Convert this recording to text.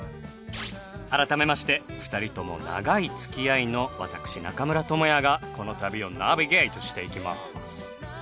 改めまして２人とも長い付き合いの私中村倫也がこの旅をナビゲートしていきます。